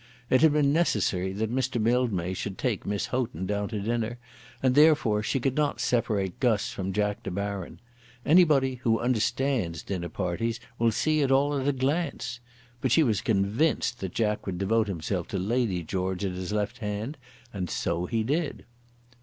It had been necessary that Mr. Mildmay should take Miss Houghton down to dinner, and therefore she could not separate Guss from Jack De Baron. Anybody who understands dinner parties will see it all at a glance. But she was convinced that Jack would devote himself to Lady George at his left hand; and so he did.